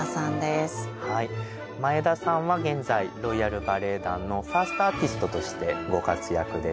前田さんは現在ロイヤル・バレエ団のファーストアーティストとしてご活躍です。